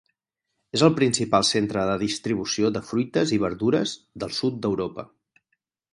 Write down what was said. És el principal centre de distribució de fruites i verdures del sud d'Europa.